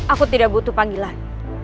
aku tidak butuh panggilan